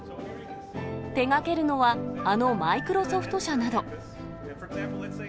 手がけるのは、あのマイクロソフト社など。